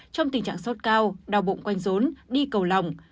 trong tình trạng sốt cao đau bụng quanh rốn đi cầu lòng